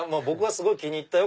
気に入ったよ。